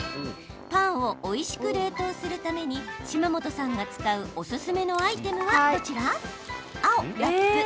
パンをおいしく冷凍するために島本さんが使うオススメのアイテムはどちら？